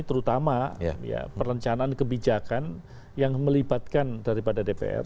terutama perencanaan kebijakan yang melibatkan daripada dpr